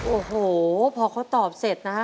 โอ้โหพอเขาตอบเสร็จนะฮะ